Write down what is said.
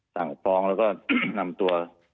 สั่งฟ้องแล้วก็นำตัว